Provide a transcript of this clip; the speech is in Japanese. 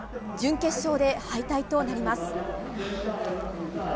準決勝で敗退となります。